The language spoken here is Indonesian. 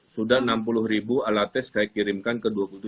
sudah enam puluh ribu alat tes saya kirimkan ke dua puluh tujuh